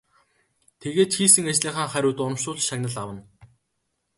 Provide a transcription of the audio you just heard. Тэгээд ч хийсэн ажлынхаа хариуд урамшуулал шагнал авна.